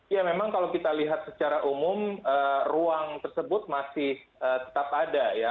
ya memang kalau kita lihat secara umum ruang tersebut masih tetap ada ya